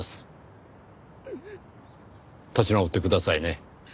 立ち直ってくださいね。